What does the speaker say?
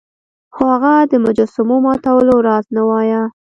خو هغه د مجسمو ماتولو راز نه وایه.